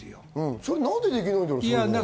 それが何でできないんだろう？